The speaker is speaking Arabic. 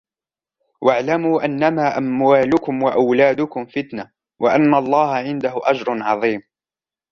واعلموا أنما أموالكم وأولادكم فتنة وأن الله عنده أجر عظيم